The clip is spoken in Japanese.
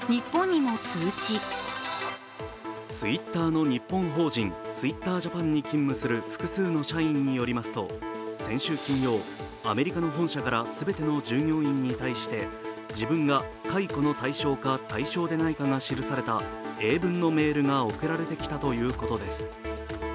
Ｔｗｉｔｔｅｒの日本法人ＴｗｉｔｔｅｒＪａｐａｎに勤務する複数の社員によりますと先週金曜、アメリカの本社から全ての従業員に対して、自分が解雇の対象か、対象でないかが記された英文のメールが送られてきたということです。